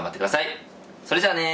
それじゃあね。